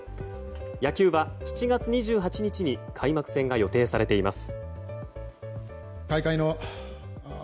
野球は７月２８日に開幕戦が予定されています。